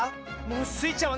スイちゃんはね